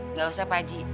nggak usah pak haji